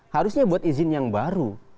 harusnya buat izin yang baru